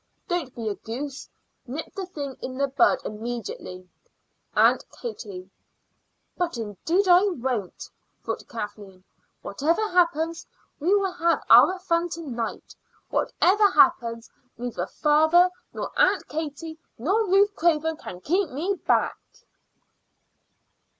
Don't be a goose; nip the thing in the bud immediately. AUNT KATIE." "But indeed I won't," thought Kathleen. "Whatever happens, we will have our fun to night. Whatever happens, neither father nor Aunt Katie, nor Ruth Craven can keep me back."